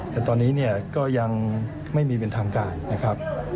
แต่ตอนนี้เนี่ยก็ยังไม่มีเป็นทางการนะครับ